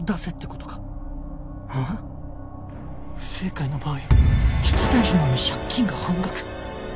「不正解の場合出題者のみ借金が半額」